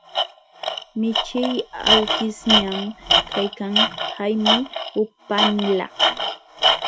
Michii awkishñam kaykan, haymi upanilaq.